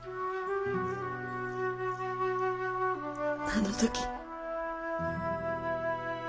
あの時。